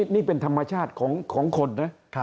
นี่เป็นธรรมชาติของคนนะ